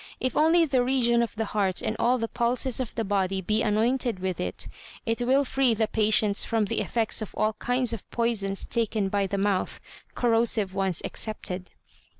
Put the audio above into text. If only the region of the heart and all the pulses of the body be anointed with it, it will free the patients from the effects of all kinds of poisons taken by the mouth, corrosive ones excepted."